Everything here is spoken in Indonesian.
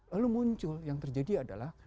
lalu muncul yang terjadi adalah